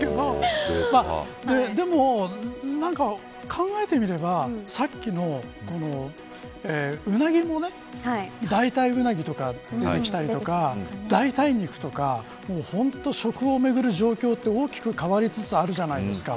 でも、考えてみればさっきのウナギも代替ウナギとか出てきたりとか代替肉とか食をめぐる状況って大きく変わりつつあるじゃないですか。